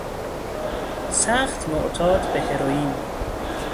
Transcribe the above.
سخت معتاد به هروئین